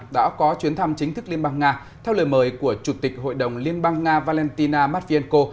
đã có chuyến thăm chính thức liên bang nga theo lời mời của chủ tịch hội đồng liên bang nga valentina matvienko